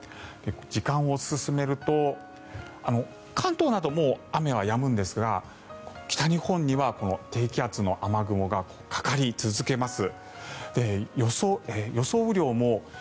時間を進めると関東など、もう雨がやむんですが北日本には低気圧の雨雲がかかり続けます。